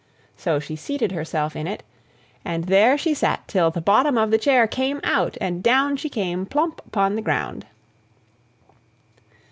So she seated herself in it, and there she sat till the bottom of the chair came out, and down she came plump upon the ground.